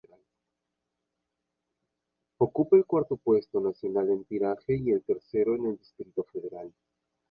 Ocupa el cuarto puesto nacional en Tiraje y el tercero en el Distrito Federal.